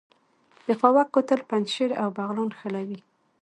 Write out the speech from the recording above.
د خاوک کوتل پنجشیر او بغلان نښلوي